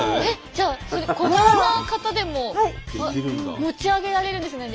じゃあ小柄な方でも持ち上げられるんですね。